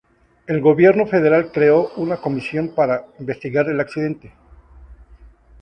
El gobierno federal creo una comisión para investigar el accidente.